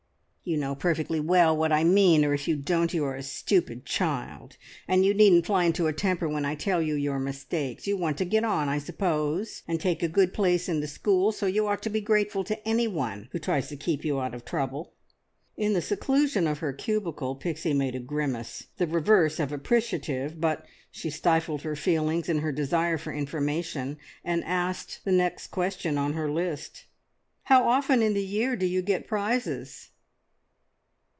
"You know perfectly well what I mean, or if you don't, you are a stupid child, and you needn't fly into a temper when I tell you your mistakes. You want to get on, I suppose, and take a good place in the school, so you ought to be grateful to anyone who tries to keep you out of trouble." In the seclusion of her cubicle Pixie made a grimace, the reverse of appreciative, but she stifled her feelings in her desire for information, and asked the next question on her list. "How often in the year do you get prizes?"